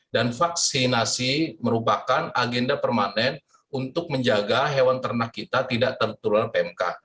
dan vaksinasi merupakan agenda permanen untuk menjaga hewan ternak kita tidak tertular pmk